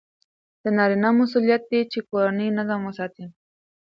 د نارینه مسئولیت دی چې کورنی نظم وساتي.